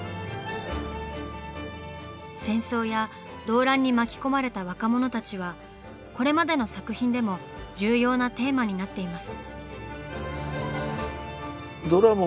戦争や動乱に巻き込まれた若者たちはこれまでの作品でも重要なテーマになっています。